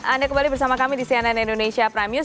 anda kembali bersama kami di cnn indonesia prime news